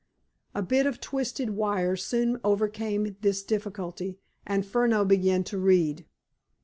A bit of twisted wire soon overcame this difficulty, and Furneaux began to read.